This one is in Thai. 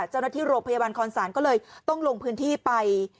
เจ้าหน้าที่โรงพยาบาลคอนศาลก็เลยต้องลงพื้นที่ไป